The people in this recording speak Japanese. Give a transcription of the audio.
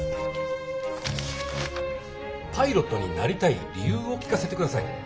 パイロットになりたい理由を聞かせてください。